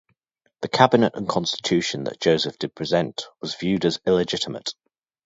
The cabinet and constitution that Joseph did present was viewed as illegitimate.